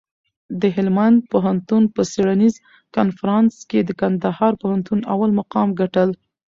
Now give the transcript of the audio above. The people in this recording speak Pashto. د هلمند پوهنتون په څېړنیز کنفرانس کي د کندهار پوهنتون اول مقام ګټل.